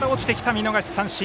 見逃し三振。